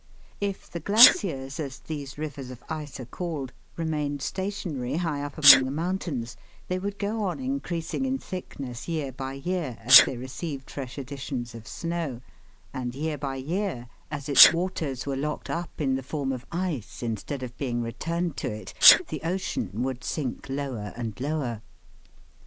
If the glaciers, as these rivers of ice are called, remained stationary high up among the mountains, they would go on increasing in thickness year by year, as they received fresh additions of snow, and year by year, as its waters were locked up in the form of ice, instead of being returned to it, the ocean would sink lower and lower.